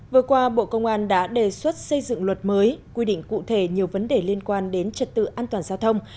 vừa qua bộ công an đã đề xuất xây dựng luật mới quy định cụ thể nhiều vấn đề liên quan đến trật tự an toàn giao thông